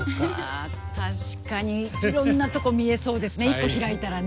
あ確かにいろんなとこ見えそうですね一個開いたらね。